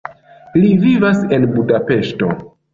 Li vivas en Budapeŝto.